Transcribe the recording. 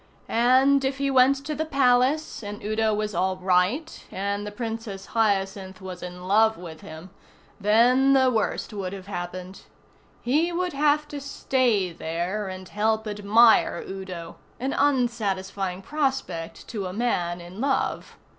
And if he went to the Palace, and Udo was all right, and the Princess Hyacinth was in love with him, then the worst would have happened. He would have to stay there and help admire Udo an unsatisfying prospect to a man in love.